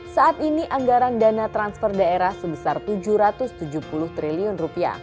saat ini anggaran dana transfer daerah sebesar rp tujuh ratus tujuh puluh triliun